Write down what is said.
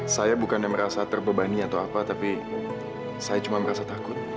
saya bukannya merasa terbebani atau apa tapi saya cuma merasa takut